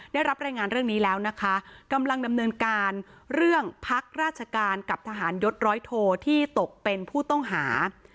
ได้รับรายงานเรื่องนี้แล้วนะคะกำลังดำเนินการเรื่องพักราชการกับทหารยศร้อยโทที่ตกเป็นผู้ต้องหา